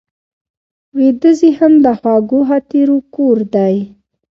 ویده ذهن د خوږو خاطرو کور دی